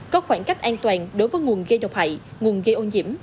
có khoảng cách an toàn đối với nguồn gây độc hại nguồn gây ô nhiễm